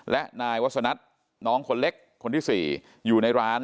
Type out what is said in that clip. และนายวัฒนัทน้องคนเล็กคนที่๔อยู่ในร้าน